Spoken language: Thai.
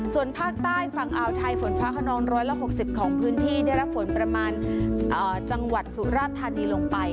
ส่วนภาคใต้ฝั่งอ่าวไทยฝนฟ้าขนอง๑๖๐ของพื้นที่ได้รับฝนประมาณจังหวัดสุราธานีลงไป